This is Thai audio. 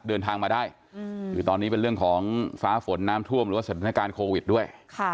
เดินทางมาได้คือตอนนี้เป็นเรื่องของฟ้าฝนน้ำท่วมหรือว่าสถานการณ์โควิดด้วย